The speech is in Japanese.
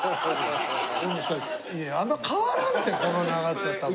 あんま変わらんてこの長さ多分。